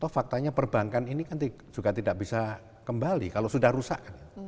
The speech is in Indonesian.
faktanya perbankan ini kan juga tidak bisa kembali kalau sudah rusak